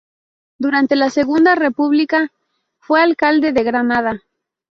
Durante la Segunda República fue alcalde de Granada.